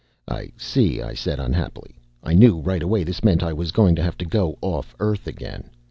"I see," I said, unhappily. I knew right away this meant I was going to have to go off Earth again.